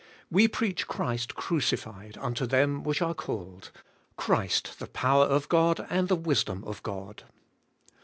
'We preach Christ crucified unto them which are called, Christ the power of God, and the wisdom of God.'